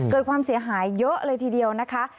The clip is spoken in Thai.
เกิดความเสียหายเยอะเลยทีเดียวนะคะ